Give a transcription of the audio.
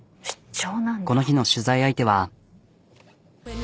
この日の取材相手は。